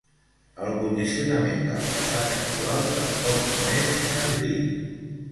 El condicionament del traçat actual tampoc no és senzill.